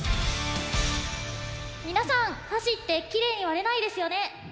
皆さん箸ってきれいに割れないですよね。